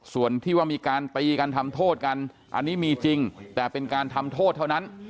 ส่วนที่ว่ามีการตีกันทำโทษกันอันนี้มีจริงแต่เป็นการทำโทษเท่านั้น